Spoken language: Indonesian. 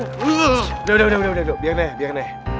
udah udah udah biar nek biar nek